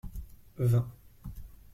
Vingt.